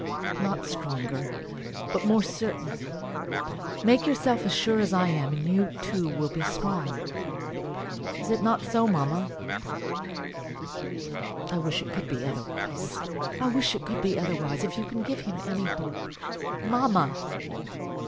"Not stronger, but more certain. Make yourself as sure as I am, and you, too, will be strong. Is it not so, mamma?" "I wish it could be otherwise; I wish it could be otherwise! If you can give him any hope " "Mamma!"